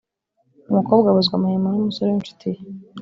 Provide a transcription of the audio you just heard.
umukobwa abuzwa amahwemo n’umusore w’ incuti ye